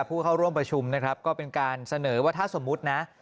ผู้เข้าร่วมประชุมนะครับก็เป็นการเสนอว่าถ้าสมมุตินะ